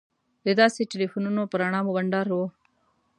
د لاسي تیلفونو په رڼا مو بنډار و.